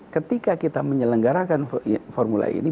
ketika kita menyelenggarakan formula e ini